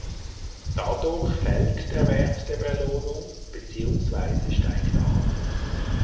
Dadurch fällt der Wert der Belohnung beziehungsweise steigt an.